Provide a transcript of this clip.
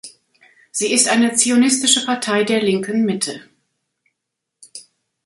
Sie ist eine zionistische Partei der linken Mitte.